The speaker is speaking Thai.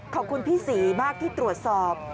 ขอบคุณพี่ศรีมากที่ตรวจสอบ